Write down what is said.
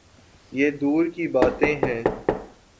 یہ دور کی باتیں ہیں۔